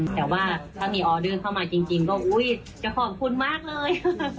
แต่ว่าถ้ามีออเดอร์เข้ามาจริงก็จะขอบคุณมากเลย